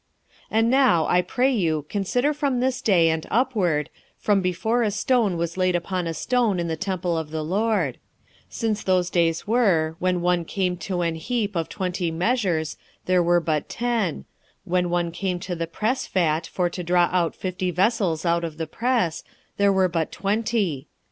2:15 And now, I pray you, consider from this day and upward, from before a stone was laid upon a stone in the temple of the LORD: 2:16 Since those days were, when one came to an heap of twenty measures, there were but ten: when one came to the pressfat for to draw out fifty vessels out of the press, there were but twenty.